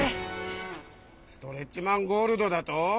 ストレッチマン・ゴールドだと？